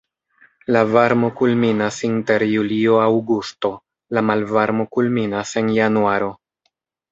La varmo kulminas inter julio-aŭgusto, la malvarmo kulminas en januaro.